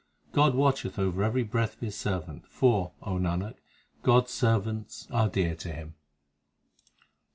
God watcheth over every breath of His servant, For, O Nanak, God s servants are dear to Him.